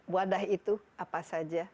wadah itu apa saja